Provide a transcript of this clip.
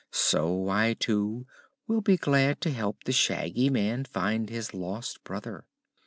So I, too, will be glad to help the Shaggy Man find his lost brother."